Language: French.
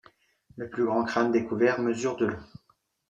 Le plus grand crâne découvert mesure de long.